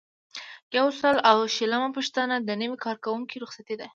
یو سل او شلمه پوښتنه د نوي کارکوونکي رخصتي ده.